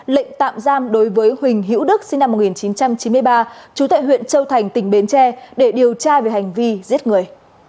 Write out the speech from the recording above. lệnh tạm giam đối với huỳnh hữu đức sinh năm một nghìn chín trăm chín mươi ba trú tại huyện châu thành tỉnh bến tre để điều tra về hành vi giết người